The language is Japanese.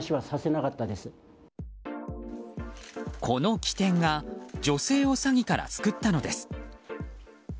この機転が女性を詐欺から救ったのです。